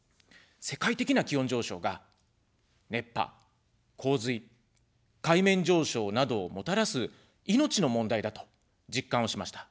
世界的な気温上昇が熱波、洪水、海面上昇などをもたらす命の問題だと実感をしました。